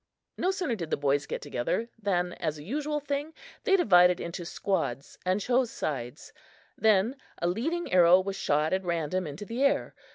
No sooner did the boys get together than, as a usual thing, they divided into squads and chose sides; then a leading arrow was shot at random into the air.